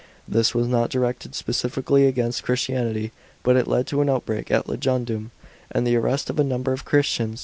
This was not directed specially against Christianity, but it led to an outbreak at Lugudunum, and the arrest of a number of Christians.